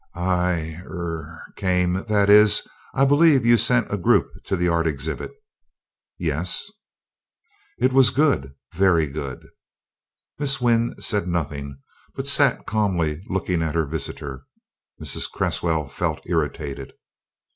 "I er came; that is, I believe you sent a group to the art exhibit?" "Yes." "It was good very good." Miss Wynn said nothing, but sat calmly looking at her visitor. Mrs. Cresswell felt irritated.